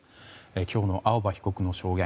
今日の青葉被告の証言